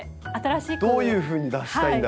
どういうふうに脱したいんだろう。